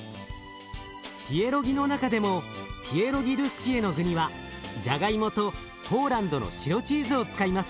ピエロギの中でもピエロギルスキエの具にはじゃがいもとポーランドの白チーズを使います。